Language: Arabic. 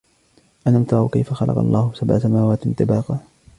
أَلَمْ تَرَوْا كَيْفَ خَلَقَ اللَّهُ سَبْعَ سَمَاوَاتٍ طِبَاقًا